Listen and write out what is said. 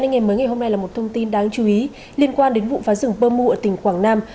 các anh em mới nghe hôm nay là một thông tin đáng chú ý liên quan đến vụ phá rừng bơ mụ ở tỉnh quảng nam